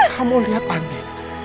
kamu lihat andi